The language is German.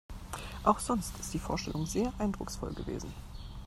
Auch sonst ist die Vorstellung sehr eindrucksvoll gewesen.